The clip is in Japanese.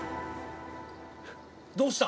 どうした？